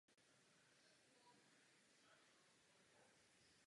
Pěší lávka pod ním přechází Ohři.